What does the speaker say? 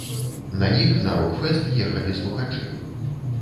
На іх на рок-фэст ехалі слухачы.